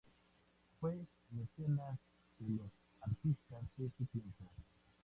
Fue mecenas de los artistas de su tiempo.